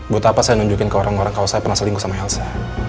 buat apa saya nunjukin ke orang orang kalau saya pernah selingkuh sama helsa